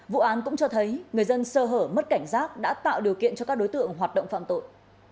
vụ án cũng cho thấy người dân sơ hở mất cảnh giác đã tạo điều kiện cho các đối tượng hoạt động phạm tội